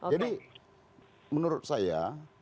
jadi menurut saya